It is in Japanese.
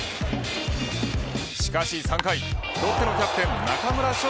しかし３回、ロッテのキャプテン中村奨